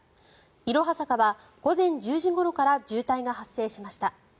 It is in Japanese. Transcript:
いろは坂は午前１０時ごろから渋滞が発生しました。